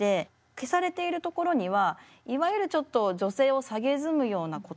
消されているところにはいわゆるちょっと女性をさげすむような言葉